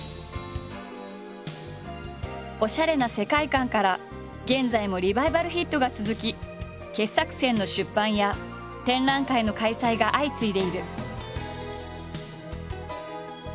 おしゃれな世界観から現在もリバイバルヒットが続き傑作選の出版や展覧会の開催が相次いでいる。